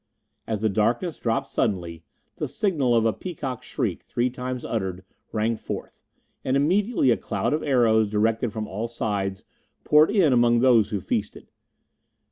As the darkness dropped suddenly, the signal of a peacock's shriek, three times uttered, rang forth, and immediately a cloud of arrows, directed from all sides, poured in among those who feasted.